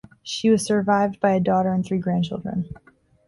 She was survived by a daughter and three grandchildren.